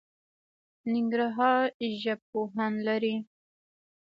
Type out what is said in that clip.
ننګرهار ژبپوهان لري